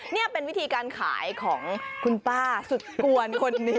นี่เป็นวิธีการขายของคุณป้าสุดกวนคนนี้